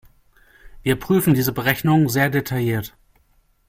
Wir prüfen diese Berechnung sehr detailliert.